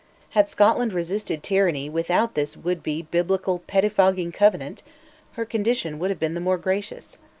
Had Scotland resisted tyranny without this would be biblical pettifogging Covenant, her condition would have been the more gracious.